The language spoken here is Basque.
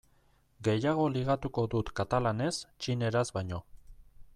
Gehiago ligatuko dut katalanez txineraz baino.